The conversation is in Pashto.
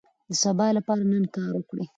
د سبا لپاره نن کار وکړئ.